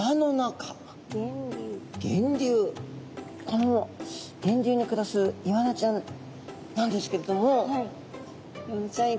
この源流に暮らすイワナちゃんなんですけれどもイワナちゃん